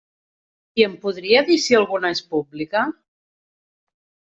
I em podria dir si alguna és pública?